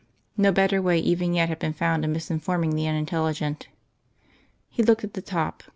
No better way even yet had been found of misinforming the unintelligent. He looked at the top.